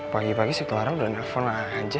pagi pagi si clara udah nelfon aja